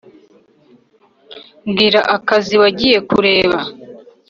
bwira akazi wagiye kureba